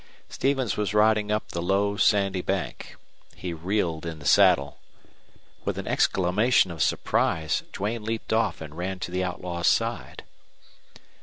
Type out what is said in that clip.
Stevens was riding up the low, sandy bank. He reeled in the saddle. With an exclamation of surprise Duane leaped off and ran to the outlaw's side.